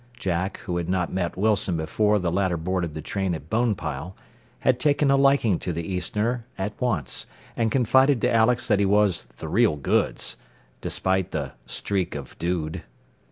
Jack, who had not met Wilson before the latter boarded the train at Bonepile, had taken a liking to the easterner at once, and confided to Alex that he was "the real goods," despite the "streak of dude."